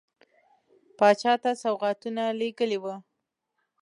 پاچا ته سوغاتونه لېږلي وه.